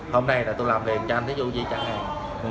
hôm nay là tôi làm việc cho anh thí dụ gì chẳng hạn